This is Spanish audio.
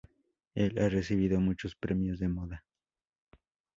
Él ha recibido muchos premios de moda.